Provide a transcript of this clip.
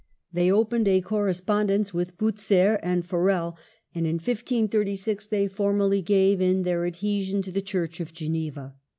They opened a corre spondence with Bucer and Farel, and in 1536 they formally gave in their adhesion to the Church of Geneva.